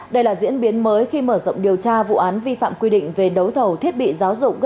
đây là diễn biến mới khi mở rộng điều tra vụ án vi phạm quy định về đấu thầu thiết bị giáo dục